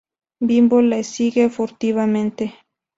Bimbo la sigue furtivamente.